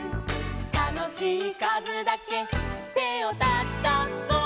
「たのしいかずだけてをたたこ」